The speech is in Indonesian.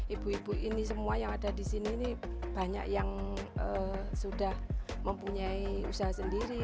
ibu ibu ini semua yang ada di sini ini banyak yang sudah mempunyai usaha sendiri